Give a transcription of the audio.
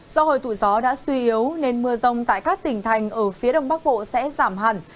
do hồi tụ gió đã suy yếu nên mưa rông tại các tỉnh thành ở phía đông bắc bộ sẽ giảm hẳn